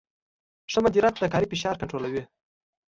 ښه مدیریت د کاري فشار کنټرولوي.